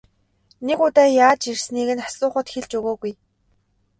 Нэг удаа яаж ирснийг нь асуухад хэлж өгөөгүй.